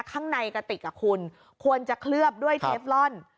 ข้างในกระติกคุณควรจะเคลือบด้วยเทฟลอน